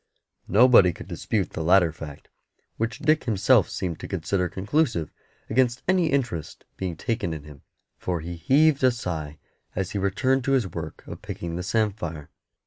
Nobody could dispute the latter fact, which Dick himself seemed to consider conclusive against any interest being taken in him, for he heaved a sigh as he returned to his work of picking the samphire.